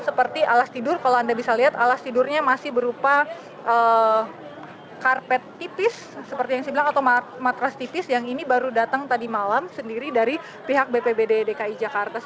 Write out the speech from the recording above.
seperti alas tidur kalau anda bisa lihat alas tidurnya masih berupa karpet tipis seperti yang saya bilang atau matras tipis yang ini baru datang tadi malam sendiri dari pihak bpbd dki jakarta